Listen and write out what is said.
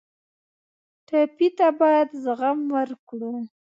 ټپي ته باید زغم ورکړو.